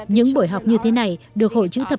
những buổi học như thế này được tạo ra bởi các trường học